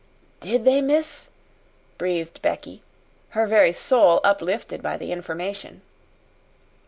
"Did they, miss?" breathed Becky, her very soul uplifted by the information.